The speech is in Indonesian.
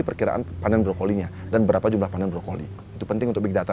perkiraan panen brokolinya dan berapa jumlah panen brokoli itu penting untuk big data